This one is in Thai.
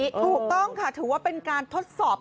ถูกต้องค่ะถือว่าเป็นการทดสอบ